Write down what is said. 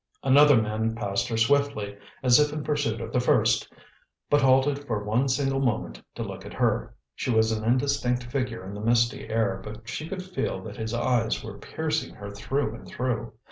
Another man passed her swiftly, as if in pursuit of the first, but halted for one single moment to look at her. She was an indistinct figure in the misty air, but she could feel that his eyes were piercing her through and through.